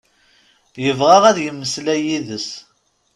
Yebɣa ad yemmeslay yid-s.